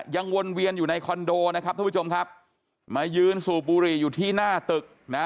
วนเวียนอยู่ในคอนโดนะครับท่านผู้ชมครับมายืนสูบบุหรี่อยู่ที่หน้าตึกนะ